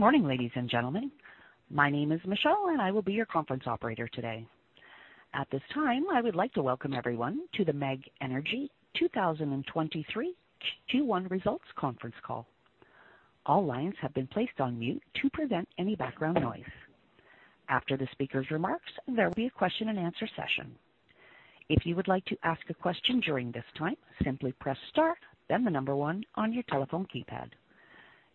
Good morning, ladies and gentlemen. My name is Michelle, and I will be your conference operator today. At this time, I would like to welcome everyone to the MEG Energy 2023 Q1 Results Conference Call. All lines have been placed on mute to prevent any background noise. After the speaker's remarks, there will be a question-and-answer session. If you would like to ask a question during this time, simply press star, then the number one on your telephone keypad.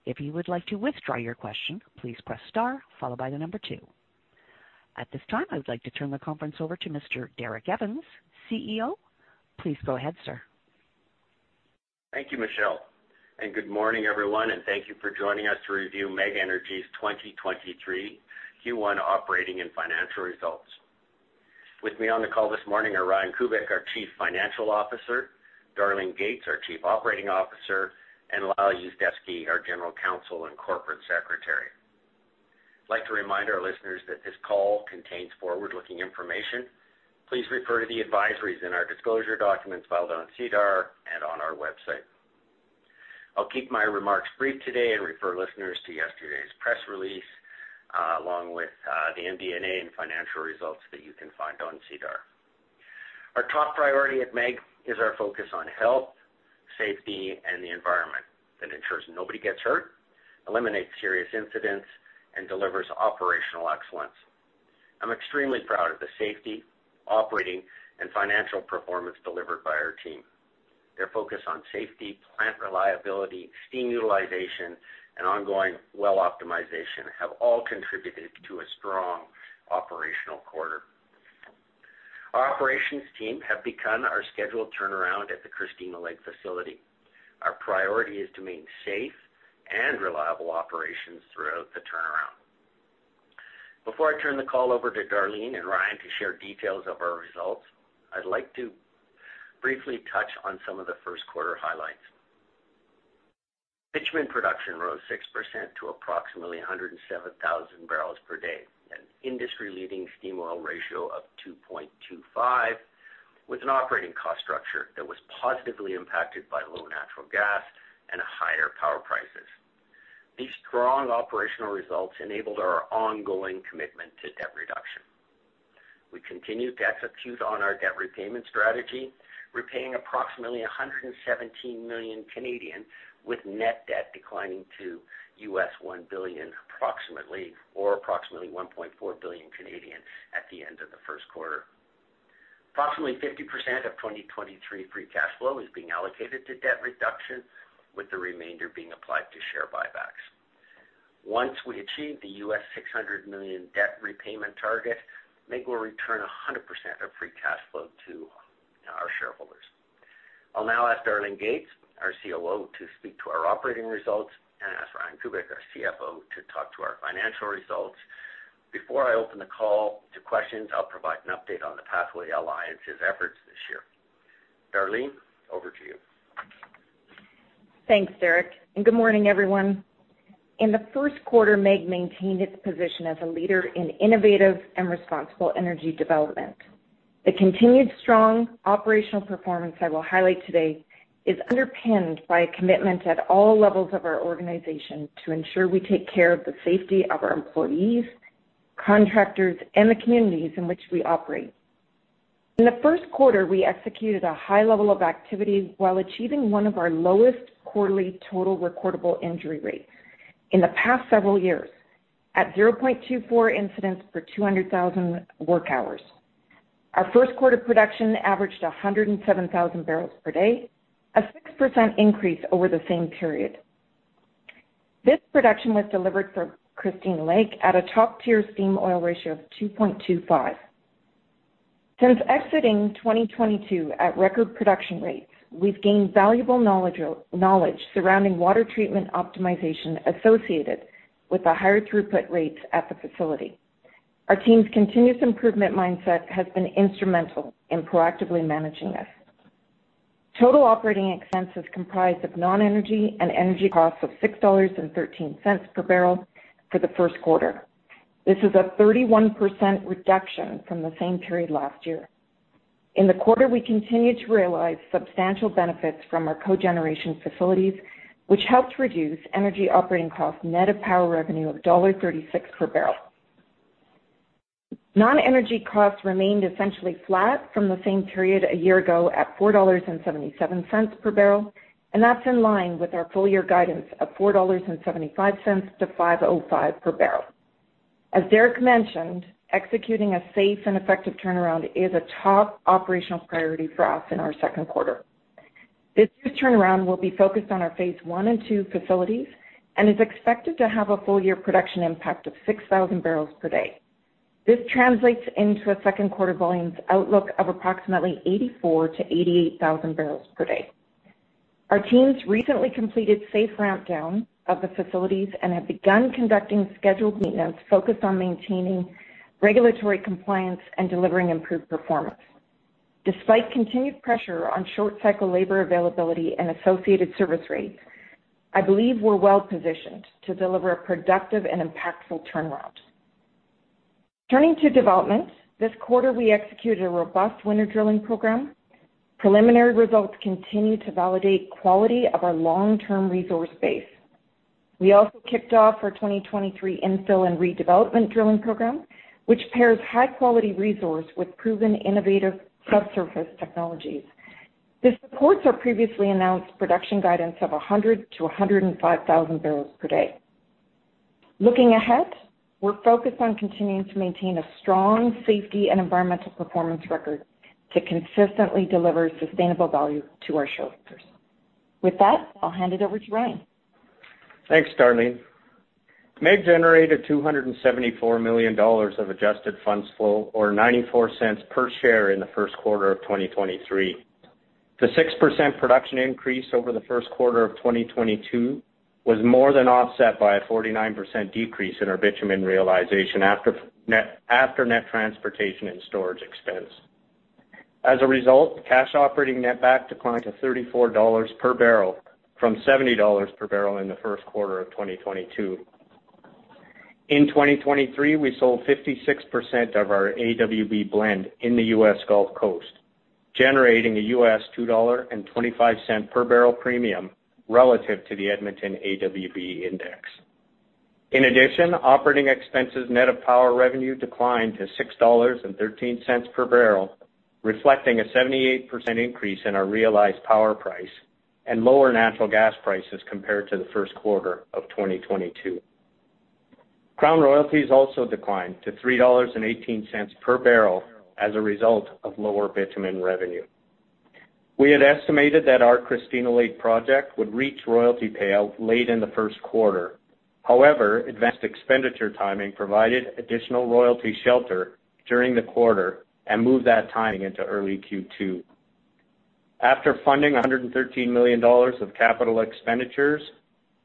If you would like to withdraw your question, please press star followed by the number two. At this time, I would like to turn the conference over to Mr. Derek Evans, CEO. Please go ahead, sir. Thank you, Michelle. Good morning, everyone, and thank you for joining us to review MEG Energy's 2023 Q1 operating and financial results. With me on the call this morning are Ryan Kubik, our Chief Financial Officer, Darlene Gates, our Chief Operating Officer, and Lyle Yuzdepski, our General Counsel and Corporate Secretary. I'd like to remind our listeners that this call contains forward-looking information. Please refer to the advisories in our disclosure documents filed on SEDAR and on our website. I'll keep my remarks brief today and refer listeners to yesterday's press release, along with the MD&A and financial results that you can find on SEDAR. Our top priority at MEG is our focus on health, safety, and the environment that ensures nobody gets hurt, eliminates serious incidents, and delivers operational excellence. I'm extremely proud of the safety, operating, and financial performance delivered by our team. Their focus on safety, plant reliability, steam utilization, and ongoing well optimization have all contributed to a strong operational quarter. Our operations team have begun our scheduled turnaround at the Christina Lake facility. Our priority is to maintain safe and reliable operations throughout the turnaround. Before I turn the call over to Darlene and Ryan to share details of our results, I'd like to briefly touch on some of the first quarter highlights. Bitumen production rose 6% to approximately 107,000 barrels per day at an industry-leading steam-oil ratio of 2.25, with an operating cost structure that was positively impacted by low natural gas and higher power prices. These strong operational results enabled our ongoing commitment to debt reduction. We continued to execute on our debt repayment strategy, repaying approximately 117 million, with net debt declining to approximately $1 billion or approximately 1.4 billion at the end of the first quarter. Approximately 50% of 2023 free cash flow is being allocated to debt reduction, with the remainder being applied to share buybacks. Once we achieve the $600 million debt repayment target, MEG will return 100% of free cash flow to our shareholders. I'll now ask Darlene Gates, our COO, to speak to our operating results and ask Ryan Kubik, our CFO, to talk to our financial results. Before I open the call to questions, I'll provide an update on the Pathways Alliance's efforts this year. Darlene, over to you. Thanks, Derek. Good morning, everyone. In the first quarter, MEG maintained its position as a leader in innovative and responsible energy development. The continued strong operational performance I will highlight today is underpinned by a commitment at all levels of our organization to ensure we take care of the safety of our employees, contractors, and the communities in which we operate. In the first quarter, we executed a high level of activity while achieving one of our lowest quarterly total recordable incident rates in the past several years. At 0.24 incidents per 200,000 work hours. Our first quarter production averaged 107,000 barrels per day, a 6% increase over the same period. This production was delivered from Christina Lake at a top-tier steam-oil ratio of 2.25. Since exiting 2022 at record production rates, we've gained valuable knowledge surrounding water treatment optimization associated with the higher throughput rates at the facility. Our team's continuous improvement mindset has been instrumental in proactively managing this. Total operating expenses comprised of non-energy and energy costs of 6.13 dollars per barrel for the first quarter. This is a 31% reduction from the same period last year. In the quarter, we continued to realize substantial benefits from our cogeneration facilities, which helped reduce energy operating costs net of power revenue of dollar 1.36 per barrel. Non-energy costs remained essentially flat from the same period a year ago at 4.77 dollars per barrel. That's in line with our full year guidance of 4.75-5.05 dollars per barrel. As Derek mentioned, executing a safe and effective turnaround is a top operational priority for us in our second quarter. This year's turnaround will be focused on our phase one and two facilities and is expected to have a full year production impact of 6,000 barrels per day. This translates into a second quarter volumes outlook of approximately 84,000 barrels-88,000 barrels per day. Our teams recently completed safe ramp down of the facilities and have begun conducting scheduled maintenance focused on maintaining regulatory compliance and delivering improved performance. Despite continued pressure on short cycle labor availability and associated service rates, I believe we're well-positioned to deliver a productive and impactful turnaround. Turning to development. This quarter, we executed a robust winter drilling program. Preliminary results continue to validate quality of our long-term resource base. We also kicked off our 2023 infill and redevelopment drilling program, which pairs high-quality resource with proven innovative subsurface technologies. This supports our previously announced production guidance of 100,000 barrels-105,000 barrels per day. Looking ahead, we're focused on continuing to maintain a strong safety and environmental performance record to consistently deliver sustainable value to our shareholders. With that, I'll hand it over to Ryan. Thanks, Darlene. MEG generated $274 million of adjusted funds flow, or $0.94 per share in the first quarter of 2023. The 6% production increase over the first quarter of 2022 was more than offset by a 49% decrease in our bitumen realization after net transportation and storage expense. As a result, cash operating netback declined to $34 per barrel from $70 per barrel in the first quarter of 2022. In 2023, we sold 56% of our AWB blend in the US Gulf Coast, generating a $2.25 per barrel premium relative to the Edmonton AWB index. In addition, operating expenses net of power revenue declined to 6.13 dollars per barrel, reflecting a 78% increase in our realized power price and lower natural gas prices compared to the first quarter of 2022. Crown royalties also declined to 3.18 dollars per barrel as a result of lower bitumen revenue. We had estimated that our Christina Lake project would reach royalty payout late in the first quarter. Advanced expenditure timing provided additional royalty shelter during the quarter and moved that timing into early Q2. After funding 113 million dollars of capital expenditures,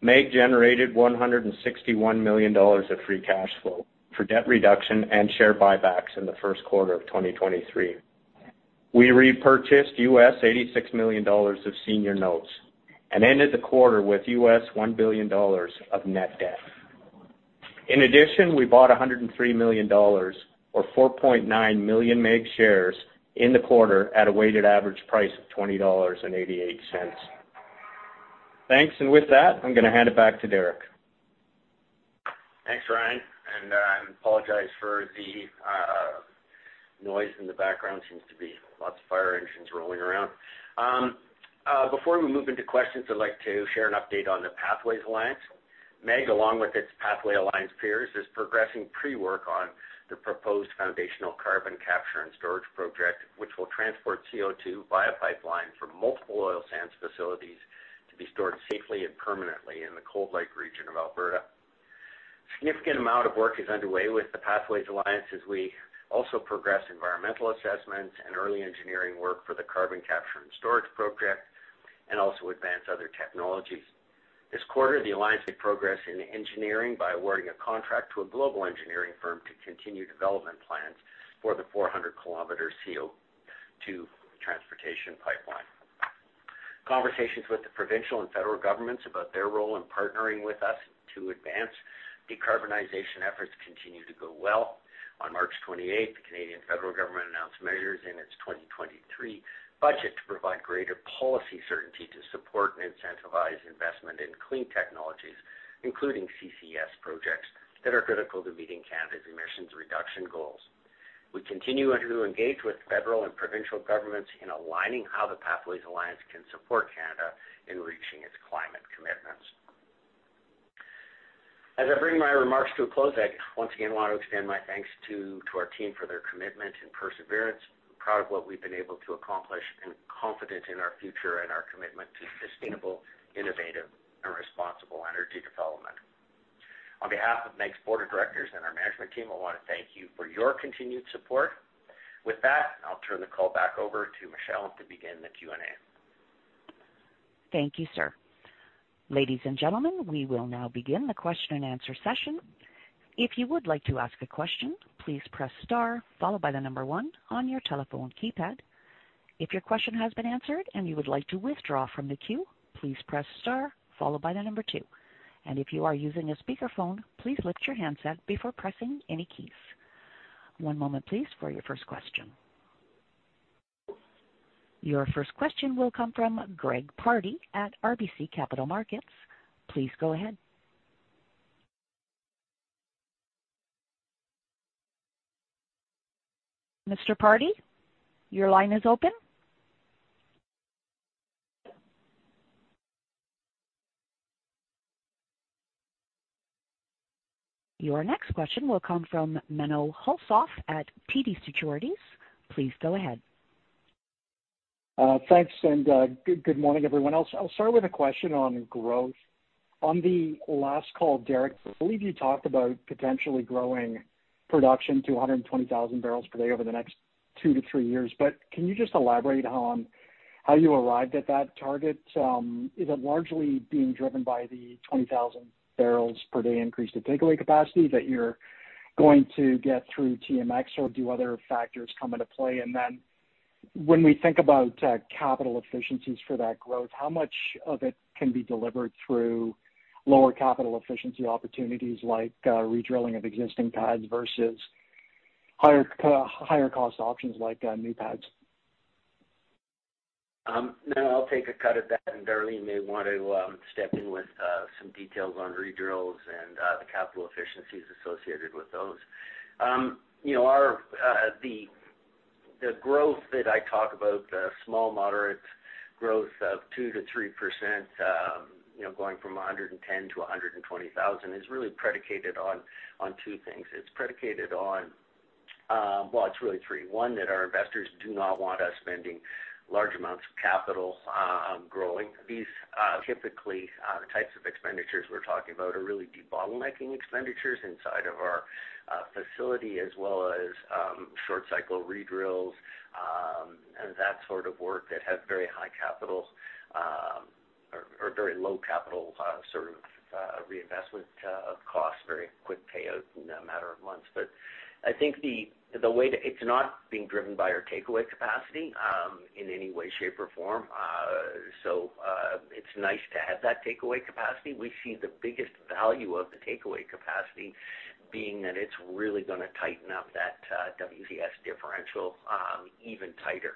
MEG generated 161 million dollars of free cash flow for debt reduction and share buybacks in the first quarter of 2023. We repurchased $86 million of senior notes and ended the quarter with $1 billion of net debt. In addition, we bought $103 million, or 4.9 million MEG shares in the quarter at a weighted average price of $20.88. Thanks, and with that, I'm gonna hand it back to Derek. Thanks, Ryan, I apologize for the noise in the background. Seems to be lots of fire engines rolling around. Before we move into questions, I'd like to share an update on the Pathways Alliance. MEG, along with its Pathways Alliance peers, is progressing pre-work on the proposed foundational carbon capture and storage project, which will transport CO2 via pipeline from multiple oil sands facilities to be stored safely and permanently in the Cold Lake region of Alberta. Significant amount of work is underway with the Pathways Alliance as we also progress environmental assessments and early engineering work for the carbon capture and storage project and also advance other technologies. This quarter, the alliance made progress in engineering by awarding a contract to a global engineering firm to continue development plans for the 400 km CO2 transportation pipeline. Conversations with the provincial and federal governments about their role in partnering with us to advance decarbonization efforts continue to go well. On March 28th, the Canadian federal government announced measures in its 2023 budget to provide greater policy certainty to support and incentivize investment in clean technologies, including CCS projects that are critical to meeting Canada's emissions reduction goals. We continue to engage with federal and provincial governments in aligning how the Pathways Alliance can support Canada in reaching its climate commitments. As I bring my remarks to a close, I once again want to extend my thanks to our team for their commitment and perseverance. I'm proud of what we've been able to accomplish and confident in our future and our commitment to sustainable, innovative and responsible energy development. On behalf of MEG's board of directors and our management team, I wanna thank you for your continued support. With that, I'll turn the call back over to Michelle to begin the Q&A. Thank you, sir. Ladies and gentlemen, we will now begin the question-and-answer session. If you would like to ask a question, please press star followed by one on your telephone keypad. If your question has been answered and you would like to withdraw from the queue, please press star followed by two. If you are using a speakerphone, please lift your handset before pressing any keys. One moment please for your first question. Your first question will come from Greg Pardy at RBC Capital Markets. Please go ahead. Mr. Pardy, your line is open. Your next question will come from Menno Hulshof at TD Securities. Please go ahead. Thanks, good morning, everyone. I'll start with a question on growth. On the last call, Derek, I believe you talked about potentially growing production to 120,000 barrels per day over the next two to three years. Can you just elaborate on how you arrived at that target? Is it largely being driven by the 20,000 barrels per day increase to takeaway capacity that you're going to get through TMX, or do other factors come into play? When we think about capital efficiencies for that growth, how much of it can be delivered through lower capital efficiency opportunities like redrilling of existing pads versus higher cost options like new pads? Now I'll take a cut at that, and Darlene may want to step in with some details on redrills and the capital efficiencies associated with those. You know, our, the growth that I talk about, the small moderate growth of 2%-3%, you know, going from 110,000-120,000 is really predicated on two things. It's predicated on, well, it's really three. One, that our investors do not want us spending large amounts of capital, growing. These typically types of expenditures we're talking about are really debottlenecking expenditures inside of our facility, as well as short cycle redrills, and that sort of work that has very high capital, or very low capital sort of reinvestment of costs, very quick payout in a matter of months. I think the way that it's not being driven by our takeaway capacity in any way, shape, or form. It's nice to have that takeaway capacity. We see the biggest value of the takeaway capacity being that it's really gonna tighten up that WCS differential even tighter,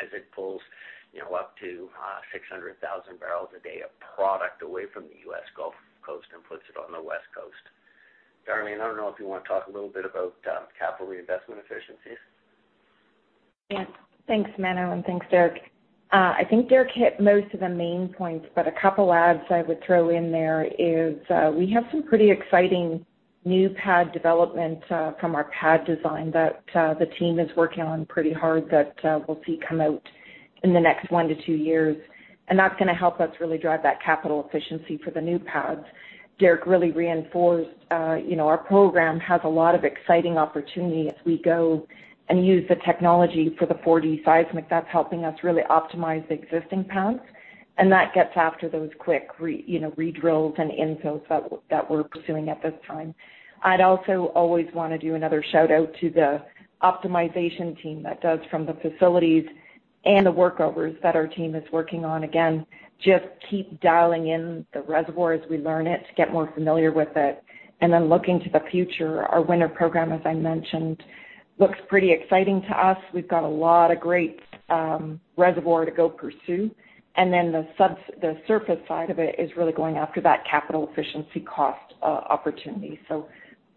as it pulls, you know, up to 600,000 barrels a day of product away from the U.S. Gulf Coast and puts it on the West Coast. Darlene, I don't know if you wanna talk a little bit about, capital reinvestment efficiencies. Yeah. Thanks, Menno, and thanks, Derek. I think Derek hit most of the main points, but a couple adds I would throw in there is, we have some pretty exciting new pad development, from our pad design that, the team is working on pretty hard that, we'll see come out in the next one to two years. That's gonna help us really drive that capital efficiency for the new pads. Derek really reinforced, you know, our program has a lot of exciting opportunity as we go and use the technology for the 4D seismic. That's helping us really optimize the existing pads, and that gets after those quick you know, redrills and infills that we're pursuing at this time. I'd also always wanna do another shout-out to the optimization team that does from the facilities and the workovers that our team is working on. Again, just keep dialing in the reservoir as we learn it to get more familiar with it. Looking to the future, our winter program, as I mentioned, looks pretty exciting to us. We've got a lot of great reservoir to go pursue. The surface side of it is really going after that capital efficiency cost opportunity. A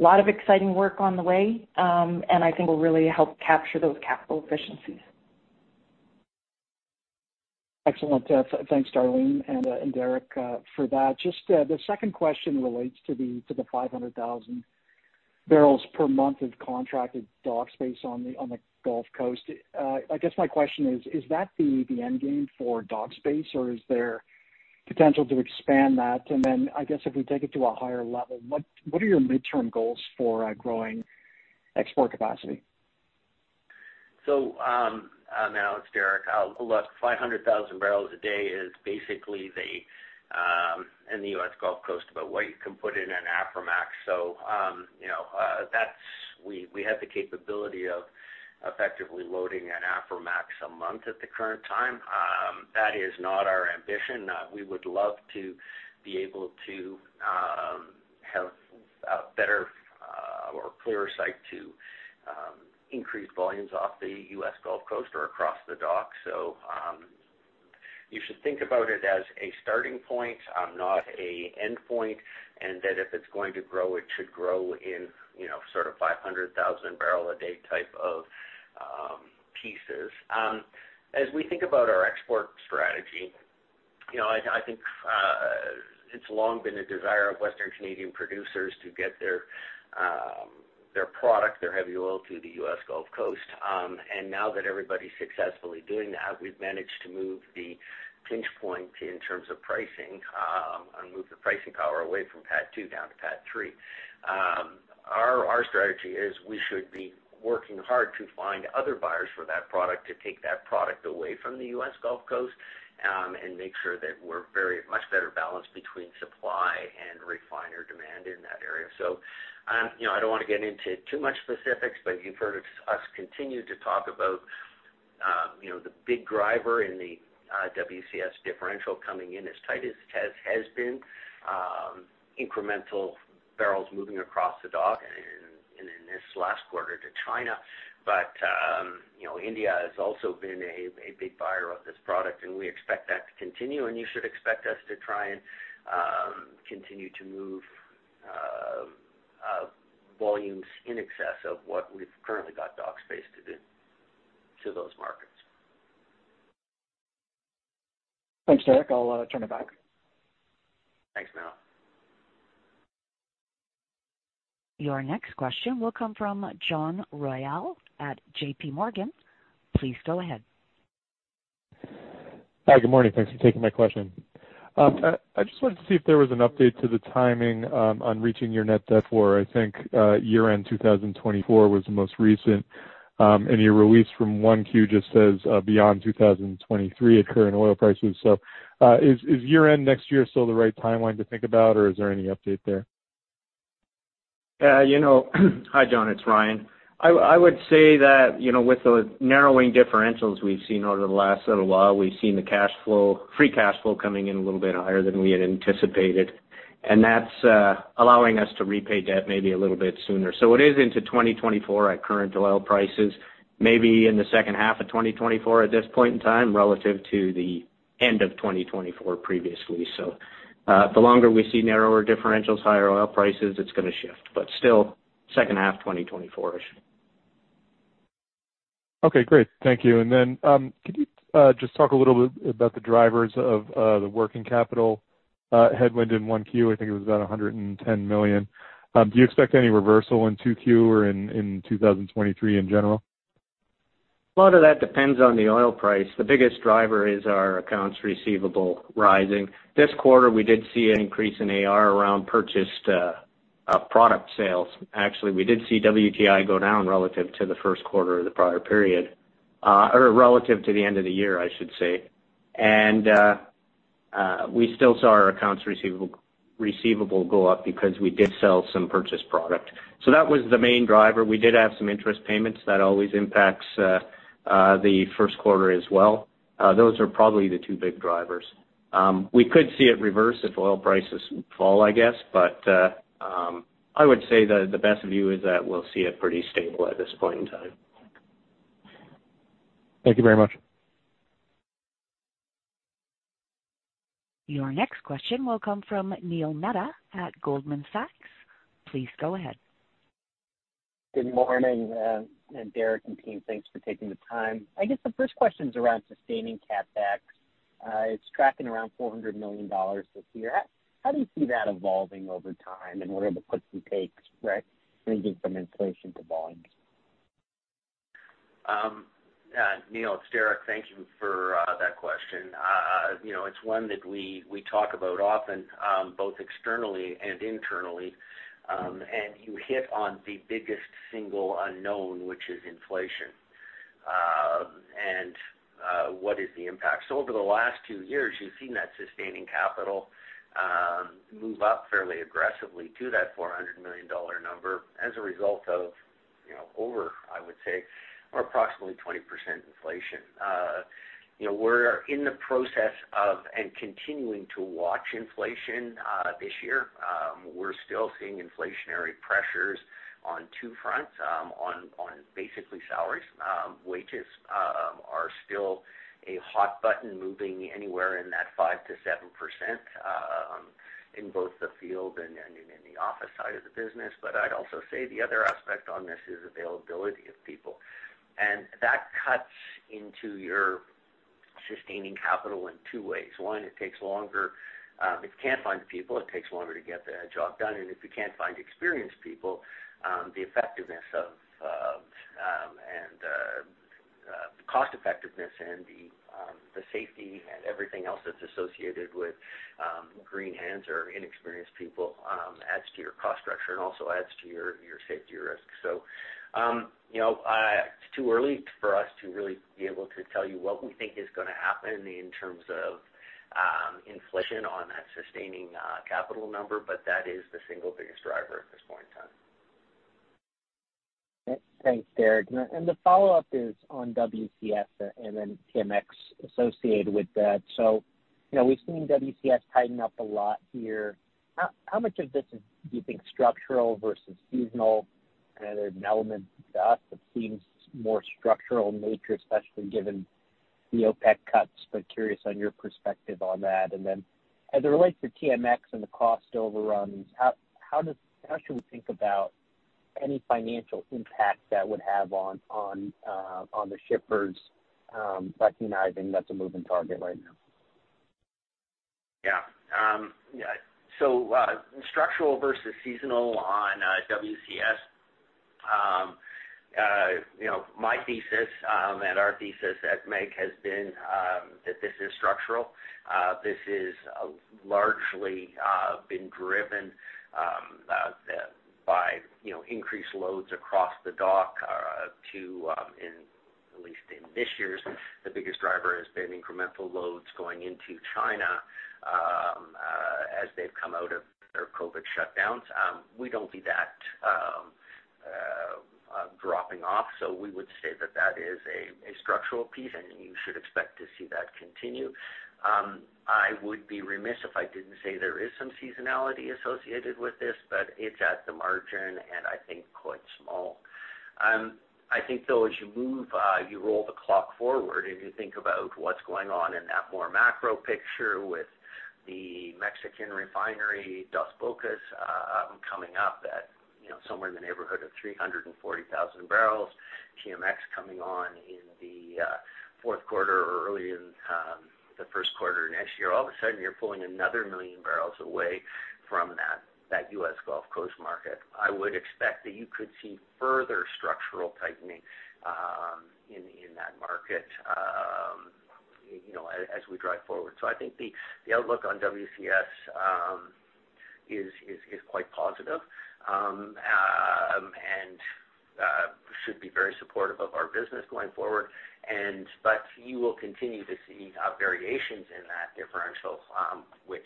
lot of exciting work on the way, and I think will really help capture those capital efficiencies. Excellent. Thanks, Darlene and Derek, for that. Just, the second question relates to the 500,000 barrels per month of contracted dock space on the Gulf Coast. I guess my question is that the end game for dock space, or is there potential to expand that? I guess if we take it to a higher level, what are your midterm goals for growing export capacity? Now it's Derek. Look, 500,000 barrels a day is basically the, in the US Gulf Coast, about what you can put in an Aframax. You know, we have the capability of effectively loading an Aframax a month at the current time. That is not our ambition. We would love to be able to have a better, or clearer sight to increase volumes off the US Gulf Coast or across the dock. You should think about it as a starting point, not a endpoint, and that if it's going to grow, it should grow in, you know, sort of 500,000 barrel a day type of pieces. As we think about our export strategy, you know, I think it's long been a desire of Western Canadian producers to get their product, their heavy oil to the U.S. Gulf Coast. Now that everybody's successfully doing that, we've managed to move the pinch point in terms of pricing and move the pricing power away from Pad two down to Pad three. Our strategy is we should be working hard to find other buyers for that product to take that product away from the U.S. Gulf Coast and make sure that we're very much better balanced between supply and refiner demand in that area. You know, I don't wanna get into too much specifics, but you've heard us continue to talk about, you know, the big driver in the WCS differential coming in as tight as has been, incremental barrels moving across the dock and in this last quarter to China. You know, India has also been a big buyer of this product, and we expect that to continue. You should expect us to try and continue to move volumes in excess of what we've currently got dock space to do to those markets. Thanks, Derek. I'll turn it back. Thanks, Menno. Your next question will come from John Royall at J.P. Morgan. Please go ahead. Hi. Good morning. Thanks for taking my question. I just wanted to see if there was an update to the timing on reaching your net debt for, I think, year-end 2024 was the most recent. Your release from 1Q just says beyond 2023 at current oil prices. Is year-end next year still the right timeline to think about, or is there any update there? Yeah, you know. Hi, John, it's Ryan. I would say that, you know, with the narrowing differentials we've seen over the last little while, we've seen the free cash flow coming in a little bit higher than we had anticipated. That's allowing us to repay debt maybe a little bit sooner. It is into 2024 at current oil prices, maybe in the second half of 2024 at this point in time, relative to the end of 2024 previously. The longer we see narrower differentials, higher oil prices, it's gonna shift. Still, second half, 2024-ish. Okay, great. Thank you. Could you just talk a little bit about the drivers of the working capital headwind in Q1? I think it was about 110 million. Do you expect any reversal in Q2 or in 2023 in general? A lot of that depends on the oil price. The biggest driver is our accounts receivable rising. This quarter, we did see an increase in AR around purchased product sales. Actually, we did see WTI go down relative to the first quarter of the prior period, or relative to the end of the year, I should say. We still saw our accounts receivable go up because we did sell some purchased product. That was the main driver. We did have some interest payments. That always impacts the first quarter as well. Those are probably the two big drivers. We could see it reverse if oil prices fall, I guess. I would say the best view is that we'll see it pretty stable at this point in time. Thank you very much. Your next question will come from Neil Mehta at Goldman Sachs. Please go ahead. Good morning, Derek and team. Thanks for taking the time. I guess the first question's around sustaining CapEx. It's tracking around 400 million dollars this year. How do you see that evolving over time and what are the puts and takes, right, ranging from inflation to volumes? Yeah, Neil, it's Derek. Thank you for that question. You know, it's one that we talk about often, both externally and internally. You hit on the biggest single unknown, which is inflation, and what is the impact. Over the last two years, you've seen that sustaining capital move up fairly aggressively to that 400 million dollar number as a result of, you know, over, I would say, or approximately 20% inflation. You know, we're in the process of and continuing to watch inflation this year. We're still seeing inflationary pressures on two fronts, on basically salaries. Wages are still a hot button moving anywhere in that 5%-7% in both the field and in the office side of the business. I'd also say the other aspect on this is availability of people. That cuts into your sustaining capital in two ways. One, it takes longer. If you can't find people, it takes longer to get the job done. And if you can't find experienced people, the effectiveness of, and the cost effectiveness and the safety and everything else that's associated with green hands or inexperienced people, adds to your cost structure and also adds to your safety risk. You know, it's too early for us to really be able to tell you what we think is going to happen in terms of inflation on that sustaining capital number, but that is the single biggest driver at this point in time. Thanks, Derek. The follow-up is on WCS and then TMX associated with that. You know, we've seen WCS tighten up a lot here. How much of this is, do you think, structural versus seasonal? There's an element to us that seems more structural in nature, especially given the OPEC cuts, but curious on your perspective on that. Then as it relates to TMX and the cost overruns, how should we think about any financial impact that would have on the shippers? Recognizing that's a moving target right now. Yeah. Yeah. Structural versus seasonal on WCS. You know, my thesis and our thesis at MEG has been that this is structural. This is largely been driven by, you know, increased loads across the dock. In at least in this year's, the biggest driver has been incremental loads going into China as they've come out of their COVID shutdowns. We don't see that dropping off, so we would say that that is a structural piece, and you should expect to see that continue. I would be remiss if I didn't say there is some seasonality associated with this, but it's at the margin, and I think quite small. I think, though, as you move, you roll the clock forward and you think about what's going on in that more macro picture with the Mexican refinery Dos Bocas, coming up at, you know, somewhere in the neighborhood of 340,000 barrels, TMX coming on in the fourth quarter or early in the first quarter next year, all of a sudden you're pulling another 1 million barrels away from that US Gulf Coast market. I would expect that you could see further structural tightening in that market, you know, as we drive forward. I think the outlook on WCS is, is quite positive. Be very supportive of our business going forward. But you will continue to see variations in that differential, which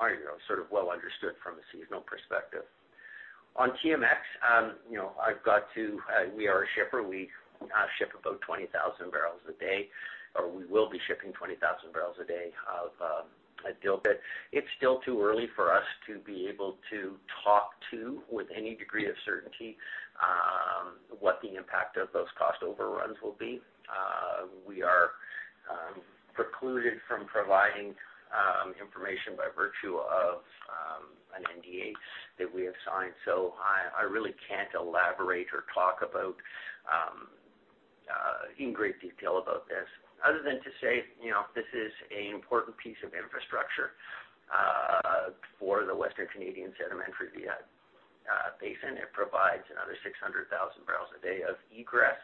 are, you know, sort of well understood from a seasonal perspective. On TMX, you know, I've got to... We are a shipper. We ship about 20,000 barrels a day, or we will be shipping 20,000 barrels a day of Dilbit. It's still too early for us to be able to talk to with any degree of certainty, what the impact of those cost overruns will be. We are precluded from providing information by virtue of an NDA that we have signed. I really can't elaborate or talk about in great detail about this other than to say, you know, this is an important piece of infrastructure for the Western Canadian Sedimentary Basin. It provides another 600,000 barrels a day of egress.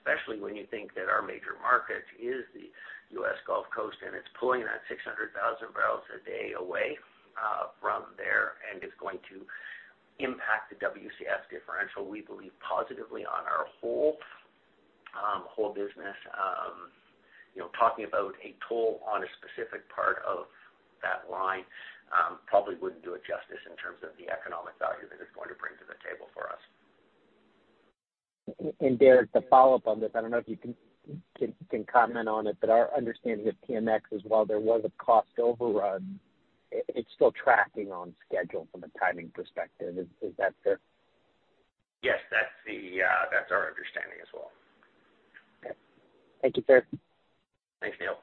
Especially when you think that our major market is the U.S. Gulf Coast, and it's pulling that 600,000 barrels a day away from there and is going to impact the WCS differential, we believe positively on our whole business. You know, talking about a toll on a specific part of that line, probably wouldn't do it justice in terms of the economic value that it's going to bring to the table for us. Derek, to follow up on this, I don't know if you can comment on it, but our understanding of TMX is while there was a cost overrun, it's still tracking on schedule from a timing perspective. Is that fair? Yes. That's the, that's our understanding as well. Okay. Thank you, sir. Thanks, Neil.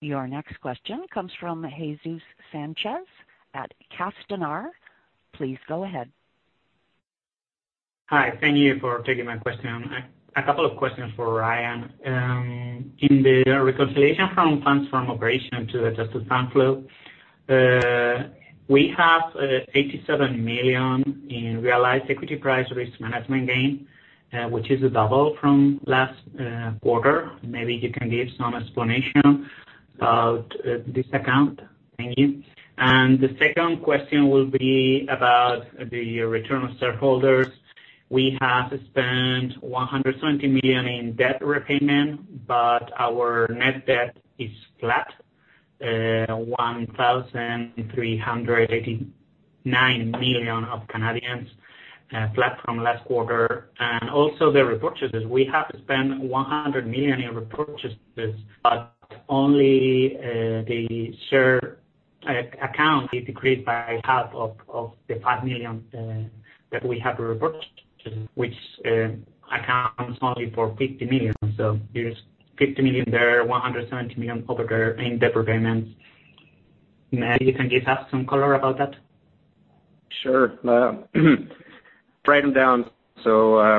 Your next question comes from Jesus Sanchez at Castañar. Please go ahead. Hi. Thank you for taking my question. A couple of questions for Ryan. In the reconciliation from funds from operation to adjusted funds flow, we have 87 million in realized equity price risk management gain, which is double from last quarter. Maybe you can give some explanation about this account. Thank you. The second question will be about the return of shareholders. We have spent 170 million in debt repayment, but our net debt is flat, 1,389 million, flat from last quarter. Also the repurchases. We have spent 100 million in repurchases, but only the share account is decreased by half of the 5 million that we have repurchased, which accounts only for 50 million. There's 50 million there, 170 million over there in debt repayments. Maybe you can give us some color about that. Sure. Write them down,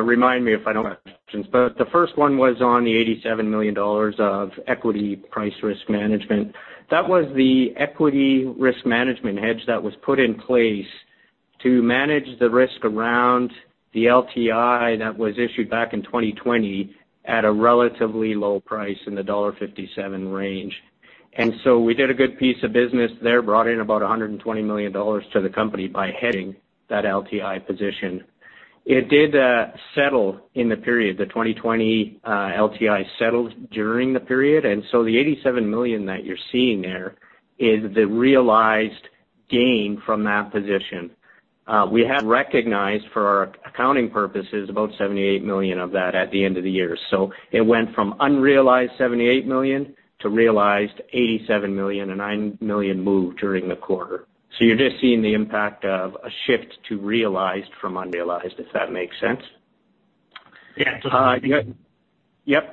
remind me if I don't have answers. The first one was on the 87 million dollars of equity price risk management. That was the equity risk management hedge that was put in place to manage the risk around the LTI that was issued back in 2020 at a relatively low price in the dollar 1.57 range. We did a good piece of business there, brought in about 120 million dollars to the company by hedging that LTI position. It did settle in the period. The 2020 LTI settled during the period, the 87 million that you're seeing there is the realized gain from that position. We have recognized for our accounting purposes about 78 million of that at the end of the year. It went from unrealized 78 million to realized 87 million and 9 million moved during the quarter. You're just seeing the impact of a shift to realized from unrealized, if that makes sense. Yeah.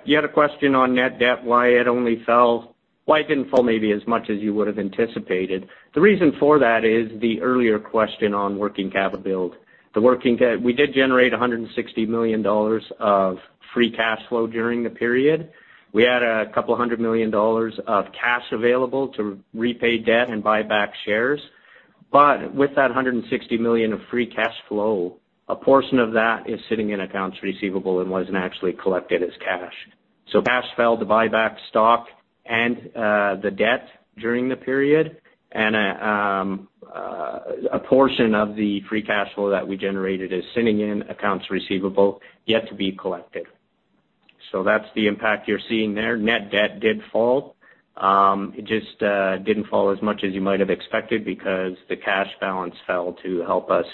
You had a question on net debt, why it only fell, why it didn't fall maybe as much as you would've anticipated. The reason for that is the earlier question on working capital build. We did generate $160 million of free cash flow during the period. We had $200 million of cash available to repay debt and buy back shares. With that $160 million of free cash flow, a portion of that is sitting in accounts receivable and wasn't actually collected as cash. Cash failed to buy back stock and the debt during the period. A portion of the free cash flow that we generated is sitting in accounts receivable, yet to be collected. That's the impact you're seeing there. Net debt did fall. It just didn't fall as much as you might have expected because the cash balance fell to help us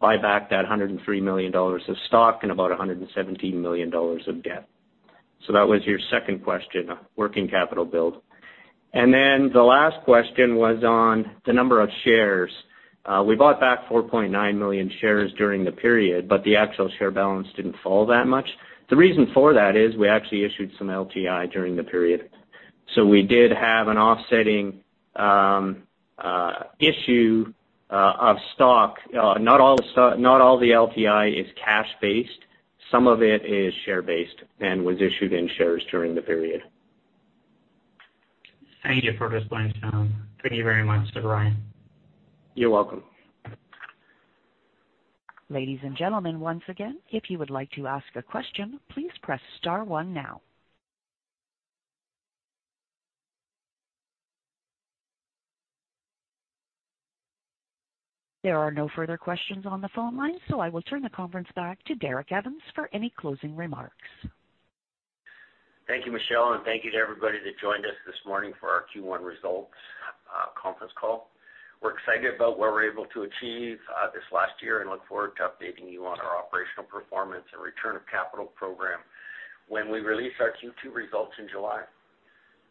buy back that 103 million dollars of stock and about 117 million dollars of debt. That was your second question on working capital build. The last question was on the number of shares. We bought back 4.9 million shares during the period, but the actual share balance didn't fall that much. The reason for that is we actually issued some LTI during the period. We did have an offsetting issue of stock. Not all the LTI is cash based. Some of it is share based and was issued in shares during the period. Thank you for this breakdown. Thank you very much to Ryan. You're welcome. Ladies and gentlemen, once again, if you would like to ask a question, please press star one now. There are no further questions on the phone line, I will turn the conference back to Derek Evans for any closing remarks. Thank you, Michelle, and thank you to everybody that joined us this morning for our Q1 results conference call. We're excited about what we're able to achieve this last year and look forward to updating you on our operational performance and return of capital program when we release our Q2 results in July.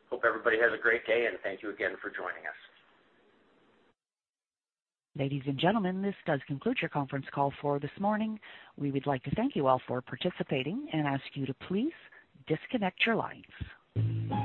Hope everybody has a great day, and thank you again for joining us. Ladies and gentlemen, this does conclude your conference c all for this morning. We would like to thank you all for participating and ask you to please disconnect your lines.